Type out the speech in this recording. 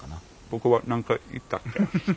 僕は何か言ったっけ？